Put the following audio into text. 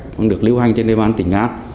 không được lưu hành trên địa bàn tỉnh nga